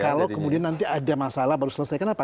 kalau kemudian nanti ada masalah baru selesaikan apa